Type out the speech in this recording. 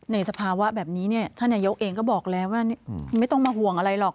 สภาวะแบบนี้เนี่ยท่านนายกเองก็บอกแล้วว่าไม่ต้องมาห่วงอะไรหรอก